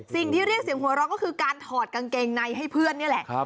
เรียกเสียงหัวเราะก็คือการถอดกางเกงในให้เพื่อนนี่แหละ